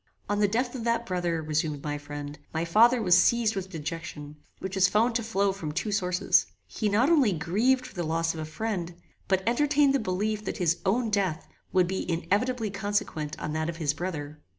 "On the death of that brother," resumed my friend, "my father was seized with dejection, which was found to flow from two sources. He not only grieved for the loss of a friend, but entertained the belief that his own death would be inevitably consequent on that of his brother.